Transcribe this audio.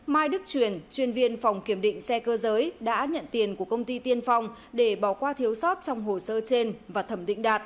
mai đức truyền chuyên viên phòng kiểm định xe cơ giới đã nhận tiền của công ty tiên phong để bỏ qua thiếu sót trong hồ sơ trên